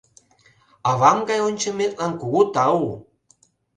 — Авам гай ончыметлан кугу тау!